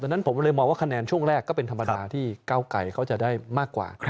นั้นผมเลยมองว่าคะแนนช่วงแรกก็เป็นธรรมดาที่เก้าไกรเขาจะได้มากกว่า